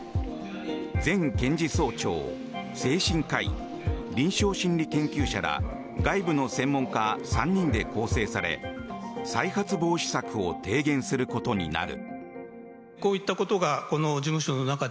前検事総長精神科医、臨床心理研究者ら外部の専門家３人で構成され再発防止策を提言することになる。